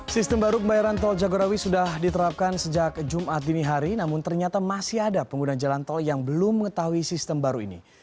sistem baru pembayaran tol jagorawi sudah diterapkan sejak jumat dini hari namun ternyata masih ada pengguna jalan tol yang belum mengetahui sistem baru ini